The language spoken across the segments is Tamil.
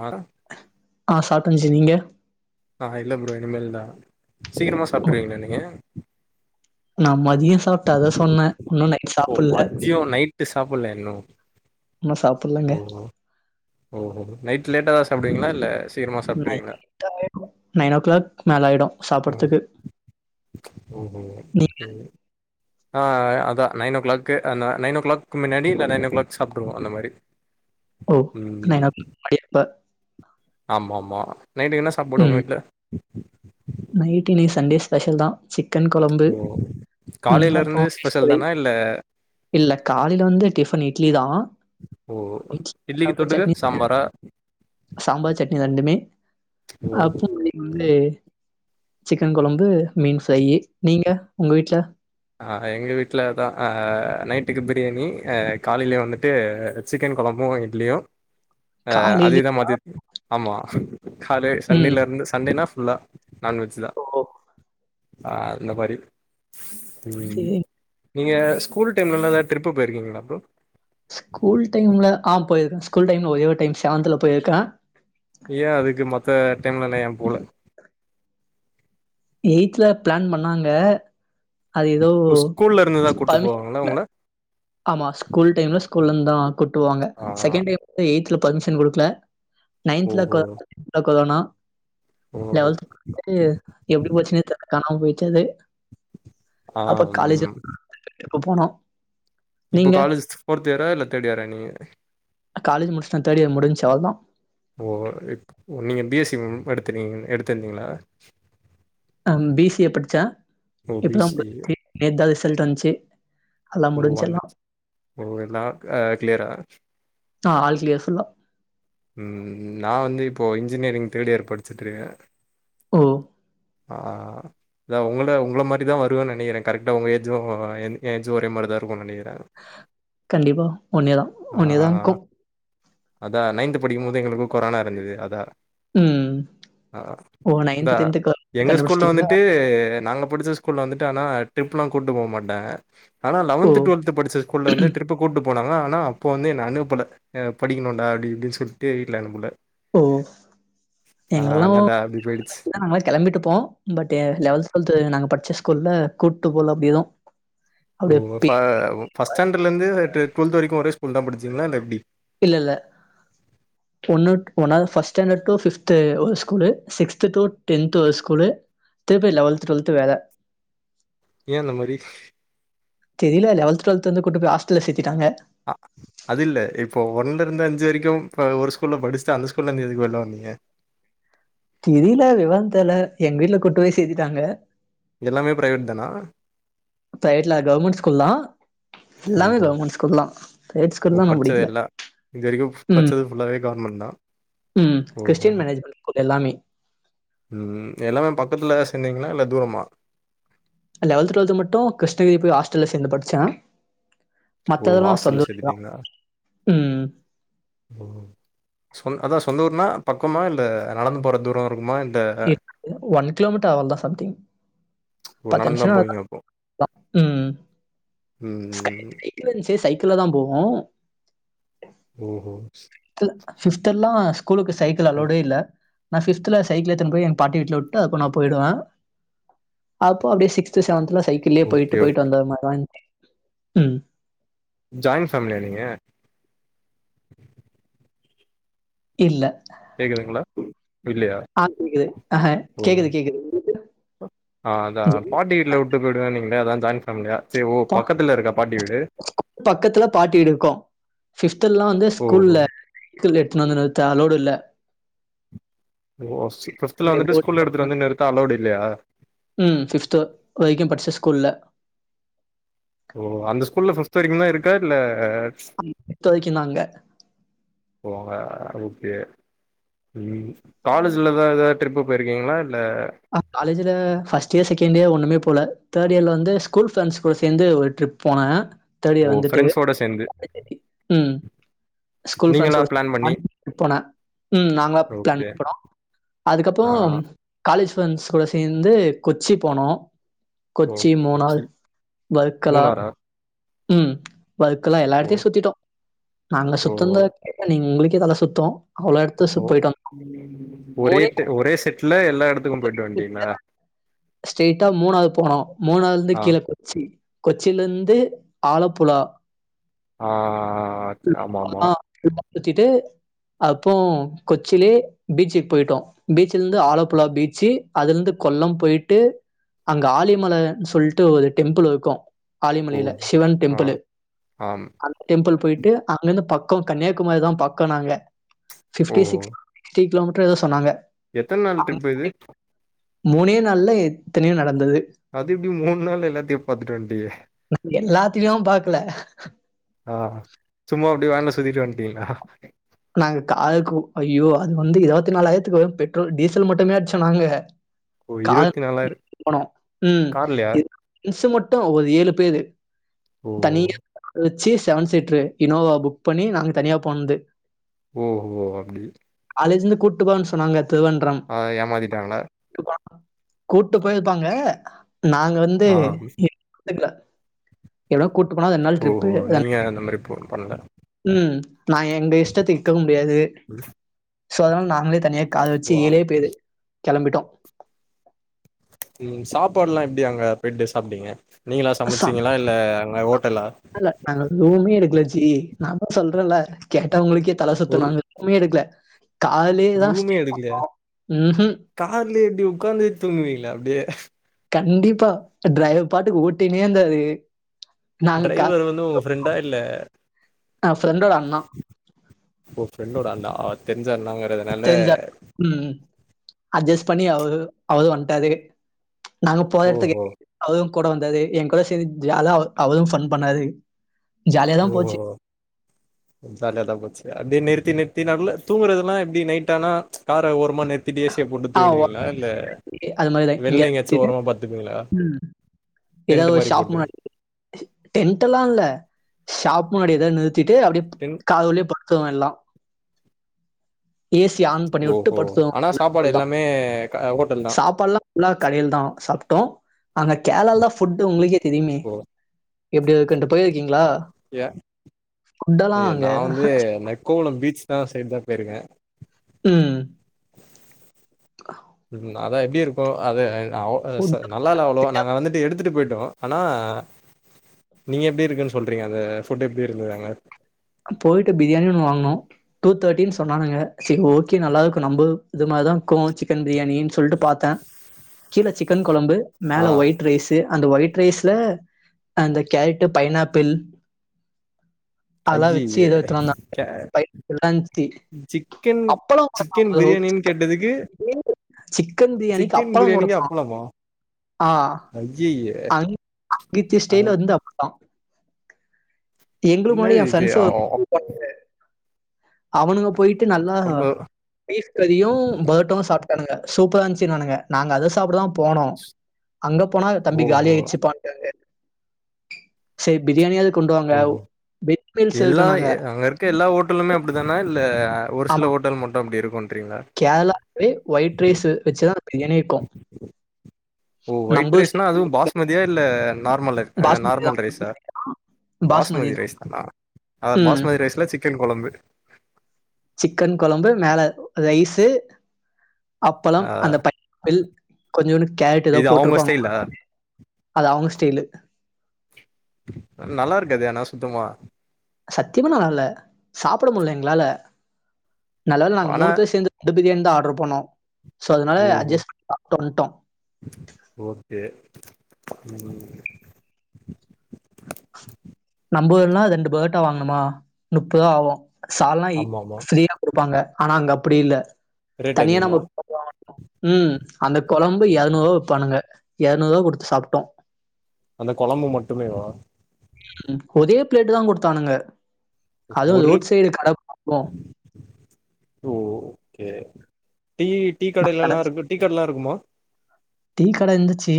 ஆறா அ சாப்ட்டே ஜி நீங்க ஆ இல்ல ப்ரோ இனிமேல் தா சீக்கிரமா சாப்ட்ருவீங்ளா நீங்க நா மதிய சாப்ட்ட அதா சொன்னே இன்னு நைட் சாப் ஓ மத்யோ நைட்டு சாப்பிட்லயா இன்னு இன்ன சாப்புட்லங்க ஓ ஹோ ஹோ நைட்டு லேட்டா தா சாப்டுவீங்ளா இல்ல சீக்கிரமா சாப்ட்ருவீங்களா நைட் ஆயிரு நைன் ஒ கிளாக் மேல ஆயிடு ம் சாப்புட்றதுக்கு ஓஹோ நீங்க? சேரி ஆ அதா நைன் ஓ கிளாக்கு அ ந நைன் ஓ கிளாக்க்கு முன்னாடி இல்ல நைன் ஓ கிளாக் சாப்ட்ருவோ அந்த மாரி ஓ நைன் ஓ [inaudible] முன்னாடி அப்ப ஆமாம்மா நைட்டுக்கு என்ன சாப்பாடு உங்க வீட்ல நைட்டு இன்னைக்கு சண்டே ஸ்பெஷல் தா சிக்கன் கொழம்பு ஓ ம் காலைல இருந்து அப்றோ ஃபிஷ் ஸ்பெஷல் ஃப்ரை தானா இல்ல இல்ல காலைல வந்து டிஃபன் இட்லி தா ஓ இட்லிக்கு தொட்டுக்க சம்பாரா சாம்பார் சட்னி ரெண்டுமே ஓ அப்ற இன்னைக்கு வந்து சிக்கன் கொழம்பு மீன் ஃப்ரையி நீங்க உங்க வீட்ல அ எங்க வீட்ல அதா அ நைட்டுக்கு பிரியாணி அ காலைலயு வந்துட்டு சிக்கன் கொழம்பு இட்லியு [inaudible] அ அதேதா மதியத்துக் ஆமா காலே ம். சண்டேலருந்து சண்டேனா ஃபுல்லா நான்வெஜ்ஜு தா ஓ! அ அந்த மாரி ம் சரிங்க. நீங்க ஸ்கூல் டைம்லலா எதா ட்ரிப்பு போயிருக்கீங்ளா ப்ரோ ஸ்கூல் டைம்ல ஆ போயிருக்கே ஸ்கூல் டைம்ல ஒரே ஒரு டைம் செவன்த்துல போயிருக்கே ஏ அதுக்கு மத்த டைம்லலா ஏ போல வீட்ல பிளான் பண்ணாங்க அது எதோ பள் நல்லவுங்கள ஆமா ஸ்கூல் டைம்ல ஸ்கூல்லருந்து தா கூட்டு போவாங்க ஆ செகண்ட் டைம்ல எய்த்துல பர்மிஷன் குடுக்கல நைன்த்துல ஓஹோ கொ [inaudible] அ கொரோனா ஓ லெவன்த்ல [inaudible] எப்டி போச்சுனே தெர்ல காணாம போயிட்ச்சு அது ஆ அப்ப காலேஜு ம் ட்ரிப்பு போனோ இப்ப காலேஜ் ஃபோர்த் இயரா இல்ல தேர்ட் இயரா நீங்க காலேஜு முடிச்ட்டே தேர்டு இயர் முடிஞ்சு அவ்ளதா ஓ இப் ஓ நீங்க பி எஸ் சி எடுத்தீங்க எடுத்துருந்தீங்ளா அ பி சி ஏ படிச்சே ஓ பி இப்பதா சி முடிஞ்ச்சு நேத்துதா ரிசல்ட் வந்ச்சு ஓ வந்துட்ச்சு ஓ எல்லா அ கிளியரா ஆ ஆல் கிளியர் ஃபுல்லா ம் நா வந்து இப்போ இன்ஜினியரிங் தேர்ட் இயர் படிச்சுட்ருக்கே ஓ ஆ அதான் உங்கள உங்கள மாரிதான் வருவன்னு நெனைக்கிற கரெக்ட்டா உங்க ஏஜ்ஜூ என் ஏஜு ஒரே மாரிதான் இருக்குனு நெனக்கிற கண்டிப்பா ஒன்னைதான் ஆ ஒன்னைதான் கூ அதா நைன்த் படிக்கும்போது எங்களுக்கு கொரோனா இருந்துது அதா ம். ஆ ஓ இந்தா எங்க ஸ்கூல்ல கண்டுபிடிச்சிட்டீங்களா? வந்துட்டு நாங்க படிச்ச ஸ்கூல்ல வந்துட்டு ஆனா ட்ரிப்பல்லா கூட்டு போ மாட்டன் ஆனா ஓ! லெவன்த் டுவெல்த் படிச்ச ஸ்கூல் வந்து ட்ரிப்பு கூட்டு போனாங்க ஆனா அப்ப வந்து என்ன அனுப்பல எ படிக்கணுன்டா அப்டி இப்டி சொல்ட்டு வீட்ல அனுப்ல ஓ எங்களு அப்டி போயிடுச்சு நாங்ளே கெளம்பிட்டு போ பட் லெவல்த் டுவல்த் நாங்க படிச்ச ஸ்கூல்ல கூட்டு போல அப்டி எது ஓ ஃபர்ஸ்ட் ஸ்டாண்டர்டலிந்து டுவெல்த் வரைக்கு ஒரே ஸ்கூல்தா படிச்சீங்ளா இல்ல எப்டி இல்லல்ல ஒன்னு ஒன்னாது ஃபர்ஸ்ட் ஸ்டாண்டர்ட்டு டூ ஃபிஃப்த்து ஒரு ஸ்கூலு சிக்ஸ்த்து டூ டென்த்து ஒரு ஸ்கூலு திருப்பி லெவெல்த் டுவெல்த் வேற ஏன் அந்த மாரி தெரில லெவல்த் டுவல்த் கூட்டு போய் ஹாஸ்டல்ல சேத்திட்டாங்க ஆ அதில்ல இப்போ ஒன்லிருந்து அஞ்சு வரைக்கு இப்ப ஒரு ஸ்கூல்ல படிச்சிட்டு அந்த ஸ்கூல்லிந்து எதுக்கு வெளில வந்தீங்க தெரல விவரந் தெரில எங்க வீட்ல கூட்டு போய் சேத்திட்டாங்க இதெல்லாமே ப்ரைவேட்தானா ப்ரைவேட் இல்ல கவர்மெண்ட் ஸ்கூல்தான் எல்லாமே ஓஹோ கவர்மெண்ட் ஸ்கூல்தா பிரைவேட் ஸ்கூல்ல நா படிக்கல இதிவரைக்கு ம். பச்சிது ஃபுல்லாவே கவர்மெண்ட்தா ம் கிறிஸ்டியன் மேனேஜ்மென்ட் ஸ்கூல் எல்லாமே ம் எல்லாமே பக்கத்துல எதா சென்னீங்னா இல்ல தூரமா லெவல்த்து டுவல்த்து மட்டு கிருஷ்ணகிரி ஹாஸ்டல்ல சேந்து படிச்சன் ஓ மத்ததெல்லா ஹாஸ்டல்ல செந்தா ஊர் இதா சேத்துட்டீங்களா ம் ஓ அதா சொந்த ஊர்ன்னா பக்கமா இல்ல நடந்து போற தூரோ இருக்குமா இல்ல ஒன் கிலோமீட்டர் ஆவ்ளதா சம்திங் ஓ பத்து நடந்து தான் நிமிஷோந்தா போவீங்க அப்போ வா ம் ஸ்கை ம் பட்டி வந்ச்சு சைக்கிள்ளதான் போவோ ஓஹோ ஃபிஃபித் ஃபிஃபிதெல்லா ஸ்கூலுக்கு சைக்கிள் அளோடே இல்ல நா ஃபிஃப்த்ல சைகில் எத்துன்னு போய் என் பாட்டி வீட்ல விட்டு அதுக்கப் நா பேயிடுவ அப்போ அப்டியே சிக்ஸ்த்து செவன்த்ல சைக்கிள்லயே ஓகே போயிட்டு ஓகே போயிட்டு வந்தது மாரிதான் உம் ஜாயிண் ஃபேமிலியா நீங்க இல்ல கேக்குதுங்ளா ஆ கேக்குது அஹ ஓ கேக்குது கேக்குது ஆ அதான் பாட்டி விட்ல விட்டு போயிடுவேன் நீங்ளே அதா ஜாயின் ஃபேம்லியா பா பக்கத்துல பாட்டி வீடு இக்கு ஃபிஃப்தெல்லா வந்து ஓ ஸ்கூல்ல எத்துனு வந்து விந்தன் அலோடு இல்ல ஓ ஃபிஃப்த்ல வந்துட்டு ஸ்கூல்ல எடுத்துட்டு வந்து நிறுத்த அலோடு இல்லையா ம் ஃபிஃப்த் வரைக்கு படிச்ச ஸ்கூல்ல ஓ அந்த ஸ்கூல்ல ஃபிஃபித் வரைக்குந்தா இருக்கா இல்ல அம் ஃபிஃபித் வரைக்குந்தான் அங்க ஒ அ அதுக்கு ம் காலேஜ்லதா எதா ட்ரிப்பு போயிருக்கீங்களா இல்ல அ காலேஜில ஃபஸ்ட் இயர் செகண்ட் இயர் ஒண்ணுமே போல தேர்டியர்லந்து ஸ்கூல் ஃப்ரண்ட்ஸ் கூட சேந்து ஒரு ட்ரிப் போனே தேர்டியர் ஓ வந்துட்டு ஃப்ரெண்ட்ஸோட சேந்து உம் ஸ்கூல் நீங்களா ஃப்ரெண்ட்ஸோட பிளான் பண்ணி [unintelligible] போனே உம் நாங்களா பிளான் ஓகே பண்ணோ ஆ அதுக்கப்போம் காலேஜ் ஃப்ரெண்ட்ஸ் கூட சேந்து கொச்சி போனோ ஓ கொச்சி மூணால் கொச்சி வல்க்கலா மூணாரா உம் வல்க்கலா எல்லா ஓ எடத்தையு சுத்திட்டோ நாங்க ஓ சுத்துன்த டா நீ உங்களுக்கே தல்ல சுத்து அவ்ளோ எடத் ஓ ஒரேட்டு ஒரே செட்ல எல்லா ஊடத்துக்கு போய்ட்டு வந்டீங்ளா ஸ்டைட்டா மூணாது போனோ மூணாதுலந்து ஆ கீழ கொச்சி கொச்சிலந்து ஆலப்புழா ஆஹ்ச் ஆமா ஆமா ஆ ஃபுல்லா சுத்திட்டு அப்போ கொச்சிலே பீச்சுக் போய்ட்டோ பீச்சுலந்து ஆலப்புழா பீச்சு அதுலந்து கொல்லம் போயிட் டு அங்க ஆலிமலன் சொல்ட்டு ஒரு டெம்புள் இருக்கு ஓ ஆலிமலையில சிவன் ஆ டெம்புளு ஆம். டெம்புள் போயிட்டு அங்கந்து பக்கோ கன்னியாகுமாரிதா பக்கோ நாங்க ஓ! ஃபிப்டி சிக்ஸ் டி கிலோமீட்ரோ ஏதோ சொன்னாங்க எத்தன் நாள் அங்க ட்ரிப் இது போய் மூணே நாள்ல எத்தனையோ நடந்தது அது எப்டி மூண் நாள்ல எல்லாத்தையு பாத்துட்டு வன்டீக நாங் எல்லாத்தியு பாக்கல ஆ சும்மா அப்டி வேன்ல சுத்திட்டு வந்டீங்ளா நாங்க காலுக் கூ ஐயோ அது வந்து இருவத்தி நாலாயிரத்துக்கு வ பெட்ரோல் டீசல் மட்டுமே அடிச்சோ நாங்க ஓ! கான் போனோ உம் கார்லயா? இ [unintelligible] மிஸ்ஸு மட்டு ஒரு ஏழு பேரு ஓ தனியா வச்சி செவன் சீட்ரு இனோவா புக் பண்ணி நாங்க தனியா போனது ஓஹோ அப்டி காலேஜிலந்து கூட்டு போறன் சொன்னாங்க திருவேன்ட்ரம் ஆ ஏமாத்திட்டாங்ளா டுகா கூட்டு போயிதுப்பாங்க நாங்க வந்து ஆ. எந்துக்ல எவனோ கூட்டு போனா அது ரெண் நாள் ட்ரிப்பு ஓஹோ! அதானே நீங்க அந்த மாரி போ பண்ணல. ம் நா எங்க இஷ்டத்துக் இக்கவு முடியாது சோ அதனால நாங்களே தனியா காத வச்சி ஓ! ஆம். ஏலே பேது கெளம்பிட்டோ உம் சாப்பாடுலா எப்டி அங்க பிரட்டு சாப்டீங்க நீங்களா சமச்சீங்களா இல்ல அங்க ஹோட்டலா ல்ல நாங்க ரூமே எடுக்கல ஜி நா தா சொல்றேன்ல கேட்டவுங்களுக்கே தல சுத்து ஒரு நாங்க ரூமே எடுக்ல கார்லேதா ரூமே சுத்திகிட்டு எடுக்கலையா? [unintelligible] கார்லயே எப்டி உக்காந்தே தூங்குவிங்ளா அப்டியே கண்டிப்பா டிரைவர் பாட்டுக்கு ஓட்டினே இருந்தாரு நாங்க கார் டிரைவர் வந்து உங்க ஃப்ரெண்டா இல்ல என் ஃப்ரெண்டோட அண்ணா. ஒரு ஃப்ரெண்டோட அந்த ஆ தெரிஞ்ச அண்ணாங்கறதுனால தெரிஞ்ச ம் அட்ஜஸ்ட் பண்ணி அவுகு அவது வன்ட்டாது நாங்க போகாத எடத்துக்கு ஓஹோ! அவது கூட வந்தாது ஏங்கூட செந்து ஜாலியா அவது ஃபன் பண்ணாது ஓ ஓ ஓ [inaudible] ஜாலிய தா போச்சு அப்டியே நிறுத்தி நிறுத்தி நடுல தூங்கறதுலா எப்டி நைட்டானா கார ஓரமா நிறுத் திட்டு ஏ சி ய போட்டு ஆ தூங்கிடுவீங்ளா இல்ல ஓகே. அது மாரி தான். வெள்ல எங்கேயாவது எங்கயாச்சு சுத்திட்டு ஓரமா படுத்துப்பீங்களா எதா டென்ட் ஓ மாரி ஷாப் போட்டு முன்னாட் டென்டெல்லா இல்ல ஷாப் முன்னாடி எதா நிறுத்திட்டு அப்டியேப் தெரு கார்குள்ளயே படுத்துவோ எல்லா ஏ சிஅ ஆன் பண்ணி வுட்டு ஓஹோ படுத்துருவோ ஆனா சாப்பாடு எல்லாமே க ஹோட்டல் தா சாப்பாட்லா ஃபுல்லா கடையி தா சாப்ட்டோ அங்க கேர்ளா ல தா ஃபுட்டு உங்குளுக்கே தெரிமே ஓ எப்டி இருக்கண்டு போயிருக்கீங்களா ஃபுட்டெல்லாம் ஐய அங்க நா வந்து நெக்கோவளம் பீச்தா சைட் தா போயிருக்கே ம் அத எப்டி இருக்கூ அத சொ ஃபுட் நல் நல்லா ல அவ்வளொவா நாங்க வந்துட்டு எடுத்துட்டு போயிட்டோ ஆனா நீங்க எப்டி இருக்குன் சொல்றீங்க அத ஃபுட் எப்டி இருந்துது அங்க போயிட்டு பிரியாணின் ஒண்ணு வாங்குனோ டூ தேட்டின் சொன்னானுக செரி ஓகே நல்லா இருக்கு நம்ப இது மாரிதா இருக்கூ சிக் சிக்கன் பிரியாணின் சொல்ட்டு பாத்தே கீழ சிக்கன் கொழம்பு ஆ மேல ஒயிட் ரைஸு அந்த ஒயிட் ரைஸ்ல அந்த கேரட்டு பைனாப்பிள் அதல்லா வெச்சி ஐய்யய்ய எதோ எத்துனு வந்தாங்க [unintelligible] சிக்கன் அப்பளம் கொடுத்தான் சிக்கன் பிரியாணின் கேட்டதுக்கு சிக்கன் பிரியாணிக்கு சிக்கன் அப்பளொ பிரியாணிக்கு குடுத்தா அப்பளமா ஆ ஐய்யய்ய! அங்கித்தி அ ஸ்டைலு வந்து அப் எங்களுக்கு முன்னாடி என்னது என் இது ஃப்ரண்ட்ஸு அ அவனுக போய்ட்டு நல்லா நம்ப பீஃப் கரியு பரோட்டாவு சாப்ட்டானுங்க சூப்பரா இருந்துச்சினானுக நாங்க அத சாப்டதா போனோ அங்க போனா தம்பி ஓஹோ! காலியாச்சுப்பான்டாங்க சரி பிரியாணியாது கொண் டுவாங்க ஓ வெஜ் மீல்ஸ் இருக்குனாங்க க்க எல்லா ஓட்டலுமே அப்டி தானா இல்ல ஒரு சில ஓட்டல் மட்டு அப்டி இருக்குன்றீங்களா கேர்ளாவே ஒயிட் ரைஸு வச்சுதா பிரியாணியே இருக்கூ ஓ ஒயிட் ரைஸ்னா அதுவும் பாஸ்மதியா இல்ல நார்மல் அ அ பாஸ்மதி நார்மல் தான். ரைஸா பாஸ்மதி ரைஸ் தானா அத ம். பாஸ்மதி ரைஸ் ல சிக்கன் கொழம்பு சிக்கன் கொழம்பு மேல ரைஸு அ அப்பளம் அந்த பைனாப்பிள் கொஞ்சூண்டு கேரட் எதோ இது அவங்க போட்ருப்பாங்க ஸ்டைலா? போல அது அவுங்க ஸ்டைலு நல்லாருக்காதே ஆனா சுத்தமா சத்தியமா நல்லால சாப்புட முலால எங்களால நல்ல வேல நாங்க ஆனா மூணு பேர் சேந்து ரெண்டு பிரியாணி தா ஆர்டர் பண்னோ ஸோ அதனால ஓஹோ! அட்ஜஸ்ட் பண்ணி சாப்டு வன்ட்டோ ஓகே ம் நம்ப ஊர்னா ரெண்டு பரோட்டா வாங்கணுமா முப்பது ரூபா ஆகும் சால்னா ஆமாமா ஃப்ரீயா குடுப்பாங்க ஆனா அங்க அப்டி இல்ல ரேட் தனியா அதிகமா? நம்ம ம் அந்த கொழம்பு எரநூருவா விப்பானுங்க எரநூருவா குடுத்து சாப்ட்டோம் அந்த கொழம்பு மட்டுமேவா ம் ஒரே பிளேட் தான் குடுத்தானுங்க அதுவும் ஒரு ரோட் சைட் கடைக்கு அப்றோ ஓ ஓ கே டீ டீ கடெலெல்லாம் இரு டீ கட எல்லாம் இருக்குமா டீக்கட இந்துச்சு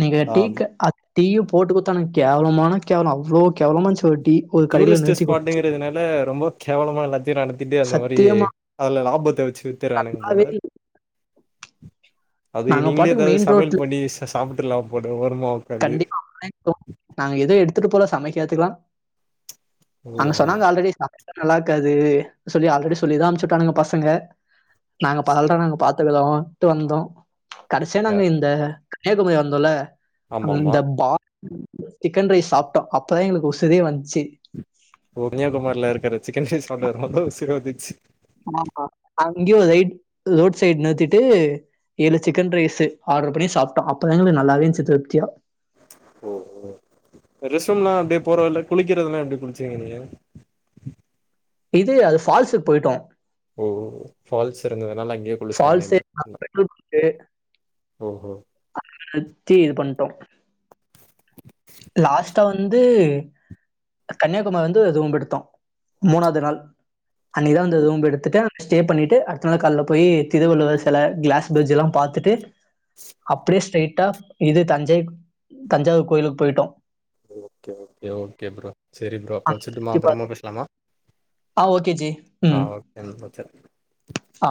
நீங்க ஆ டீ க அத் டீயு போட்டு குத்தானுங்க கேவலமானா கேவலொ அவ்ளோ கேவலமான்ச்சு ஒரு டீ ஒரு கடையில டூரிஸ்ட்டு நிறுத்தி குடுத்துச்சு ஸ்பாட்டுங்கிறதுனால ரொம்ப கேவலமா எல்லாத்தையு நடத்திட்டு அந்த மாரி சத்தியமா அதுல லாபத்த வெச்சு வித்தர்ரானுங்க நல்லாவே போல இல்ல. அதுக்கு நாங்க நீங்களே பாட்டுக்கு எதாவ்து மெயின் சமையல் ரோட்ல பண்ணி ச சாப்பிட்ருலாம் போல ஓரமா உக் கண்டிப்பா [unintelligible] நாங்க எது எடுத்துட்டு போல சமைக்கறுத்துக்லா அங்க ஓஹோ சொன்னாங்க ஆல்ரெடி சாப்ட்டா நல்லா இருக்காது சொல்லி ஆல்ரெடி சொல்லிதான் அனுப்பிச்சுட்டானுக பசங்க நாங்க பரவால நாங்க பாத்துக்கறோம்ட்டு வந்தோம் கடைசியா அ நாங்க இந்த கன்னியாகுமரி வந்தோல அங்க ஆமாமா இந்த பா சிக்கன் ரைஸ் சாப்ட்டோம் அப்பதான் எங்களுக்கு உசுரே வந்துச்சு கன்னியாகுமார்ல இருக்கற சிக்கன் ரைஸ் சாப்ட்டோன்னதா உசுரே வந்துச்சு ஆமா அங்கேயே ஒரு ரைட் ரோட் சைட் நிருத்திட்டு ஏழு சிக்கன் ரைஸு ஆர்டர் பண்ணி சாப்ட்டோம் அப்போதா எங்களுக்கு நல்லாவே இருன்ச்சு திருப்தியா ஓ ஓ ரெஸ்ட் ரூம்லா அப்டியே போறவலில்ல குளிக்கிறதுனா எப்டி குளிச்சீங்க நீங்க இது அது ஃபால்ஸுக்கு போயிட்டோ ஓ ஃபால்ஸ் இருந்ததுனால அங்யே ஃபால்சே [inaudible] ஓஹோ அதுக்கடுத்தி இது பண்ட்டோ லாஸ்ட்டா வந்து கன்னியாகுமாரில வந்து ரூம் எடுத்தோ மூணாவது நாள் அன்னைகிதா வந்த ரூம்ப் எடுத்துட்டு ஸ்டே பண்ணிட்டு அடுத்த நாள் கால்ல போய் திருவள்ளுவர் சில கிளாஸ் பிரிஜ்லா பாத் த்துட்டு அப்டியே ஸ்ட்ரெய்டா இது தஞ்சை தஞ்சாவூர் கோயிலுக்கு போயிட்டோ ஓகே ஓகே ஓகே ப்ரோ சரி ப்ரோ அப்ப அங்க வச்சுட்டுமா சுத்தி அப்றமா பார்த்துட்டு பேசலாமா ஆ ஓகே ஜி ஆ ம். ஓகேங்க வச்சற ஆ